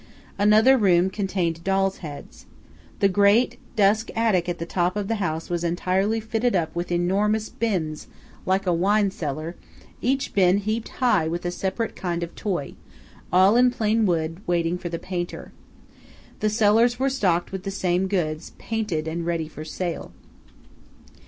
Another room contained dolls' heads. The great, dusk attic at the top of the house was entirely fitted up with enormous bins, like a wine cellar, each bin heaped high with a separate kind of toy, all in plain wood, waiting for the painter. The cellars were stocked with the same goods, painted and ready for sale.